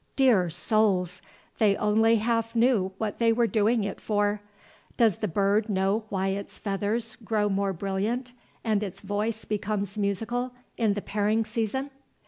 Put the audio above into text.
Dear souls! they only half knew what they were doing it for. Does the bird know why its feathers grow more brilliant and its voice becomes musical in the pairing season?